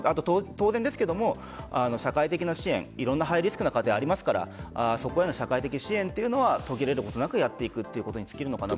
当然ですが、社会的な支援いろんなハイリスクな家庭がありますからそこへの社会的支援というのは途切れることなくやっていくことにつきるのかなと。